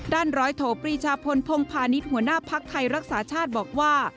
ด้านร้อยโถปริชาพลพงภานิษฐ์หัวหน้าพักไทยรักษาชาติบอกว่า